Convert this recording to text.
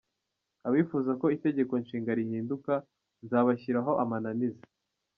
Abifuza ko Itegeko Nshinga rihinduka nzabashyiraho amananiza.